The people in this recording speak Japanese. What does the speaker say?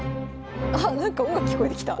あなんか音楽聞こえてきた。